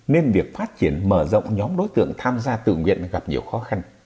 nên việc phát triển mở rộng nhóm đối tượng tham gia tự nguyện gặp nhiều khó khăn